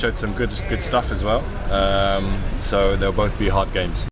jadi mereka akan berdua bermain keras